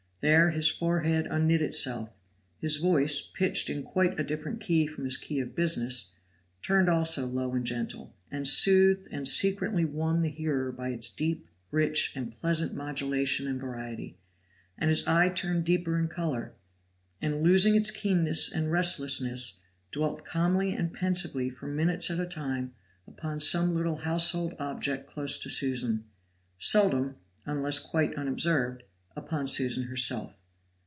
There his forehead unknit itself; his voice, pitched in quite a different key from his key of business, turned also low and gentle, and soothed and secretly won the hearer by its deep, rich and pleasant modulation and variety; and his eye turned deeper in color, and, losing its keenness and restlessness, dwelt calmly and pensively for minutes at a time upon some little household object close to Susan; seldom, unless quite unobserved, upon Susan herself.